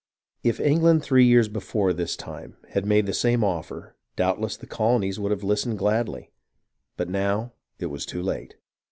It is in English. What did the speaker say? If England three years before this time had made the same offer, doubtless the colonies would have listened gladly ; but now it was too late.